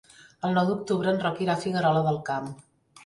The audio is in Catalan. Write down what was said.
El nou d'octubre en Roc irà a Figuerola del Camp.